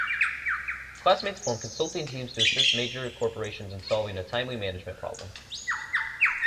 Classmates form consulting teams to assist major corporations in solving a timely management problem.